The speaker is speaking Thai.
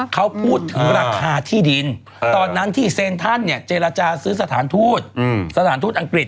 เขาพูดถึงราคาที่ดินตอนนั้นที่เซ็นทรัลเนี่ยเจรจาซื้อสถานทูตสถานทูตอังกฤษ